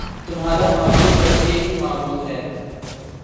تمہارا معبود بس ایک ہی معبود ہے